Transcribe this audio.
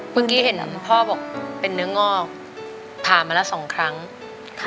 เมื่อกี้เห็นพ่อบอกเป็นเนื้องอกถามมาแล้วสองครั้งค่ะ